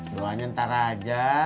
dua duanya ntar aja